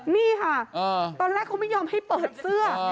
นี่ค่ะตอนแรกเขาไม่ยอมให้เปิดเสื้อ